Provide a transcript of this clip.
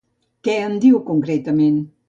Què en diu concretament?